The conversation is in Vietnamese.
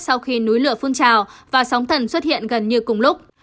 sau khi núi lửa phun trào và sóng thần xuất hiện gần như cùng lúc